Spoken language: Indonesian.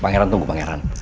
pangeran tunggu pangeran